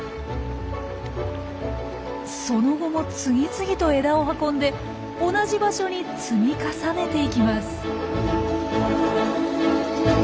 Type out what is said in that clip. その後も次々と枝を運んで同じ場所に積み重ねていきます。